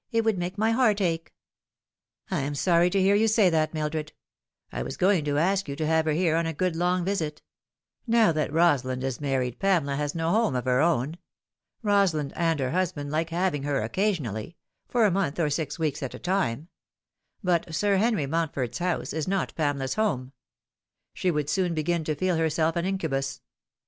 It would make my heart ache." " I am sorry to hear you say that, Mildred. I was going to ask you to have her here on a good long visit. Now that Rosa lind is married, Pamela has no home of her own. Rosalind and her husband like having her occasionally for a month or six weeks at a time ; but Sir Henry Mountford's house is not Pamela's home. She would soon begin to feel herself an incu bus.